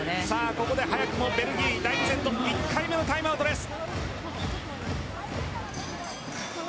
ここで早くもベルギー第２セットで１回目のタイムアウトです。